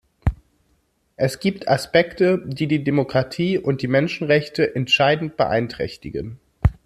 Es gibt Aspekte, die die Demokratie und die Menschenrechte entscheidend beeinträchtigen.